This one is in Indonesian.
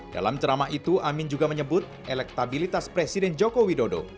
dalam ceramah itu amin juga menyebut elektabilitas presiden joko widodo